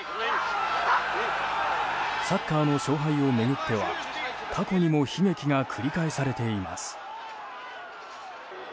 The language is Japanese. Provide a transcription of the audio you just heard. サッカーの勝敗を巡っては過去にも悲劇が繰り返されています。